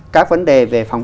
các vấn đề về phòng trọng